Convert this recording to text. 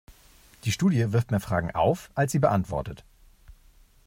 Die Studie wirft mehr Fragen auf, als sie beantwortet.